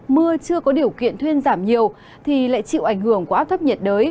mưa chưa có điều kiện thuyên giảm nhiều thì lại chịu ảnh hưởng của áp thấp nhiệt đới